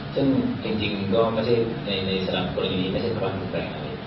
ซึ่งจริงในสำหรับกรณีนี้ไม่ใช่ประวัติภูมิแปลกเลย